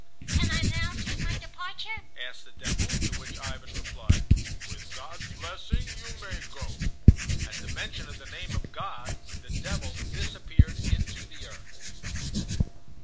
"Can I now take my departure?" asked the devil, to which Ivan replied, "With God's blessing you may go." At the mention of the name of God, the devil disappeared into the earth.